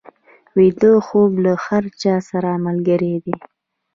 ویده خوب له هر چا سره ملګری دی